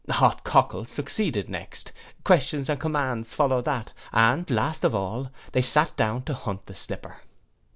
Hot cockles succeeded next, questions and commands followed that, and last of all, they sate down to hunt the slipper.